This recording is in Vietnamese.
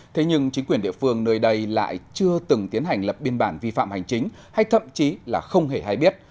thế nhưng chính quyền địa phương nơi đây lại chưa từng tiến hành lập biên bản vi phạm hành chính hay thậm chí là không hề hay biết